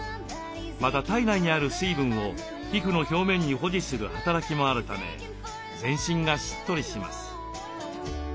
また体内にある水分を皮膚の表面に保持する働きもあるため全身がしっとりします。